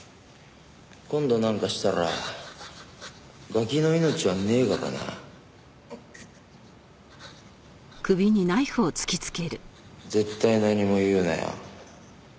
今度なんかしたらガキの命はねえからな。絶対何も言うなよ。